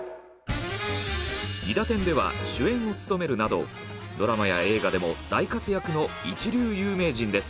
「いだてん」では主演を務めるなどドラマや映画でも大活躍の一流有名人です。